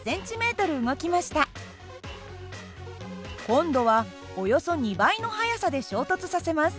今度はおよそ２倍の速さで衝突させます。